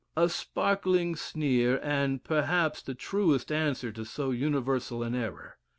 A sparkling sneer, and perhaps the truest answer to so universal an error.